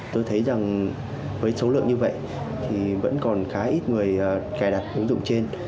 tôi thấy rằng với số lượng như vậy thì vẫn còn khá ít người cài đặt ứng dụng trên